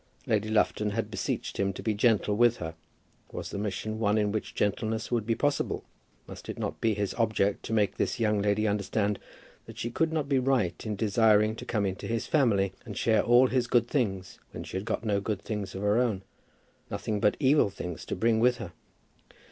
Lady Lufton had beseeched him to be gentle with her. Was the mission one in which gentleness would be possible? Must it not be his object to make this young lady understand that she could not be right in desiring to come into his family and share in all his good things when she had got no good things of her own, nothing but evil things to bring with her?